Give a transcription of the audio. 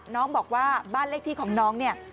น้องบอกว่าบ้านเลขที่ของน้องเนี่ย